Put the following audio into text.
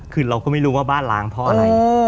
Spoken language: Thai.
คือเราก็ไม่รู้ว่าบ้านล้างเพราะอะไร